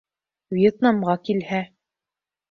Вьетнамға килһә